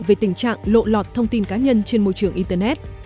về tình trạng lộ lọt thông tin cá nhân trên môi trường internet